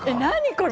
これ？